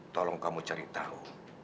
tolong kamu cari tahu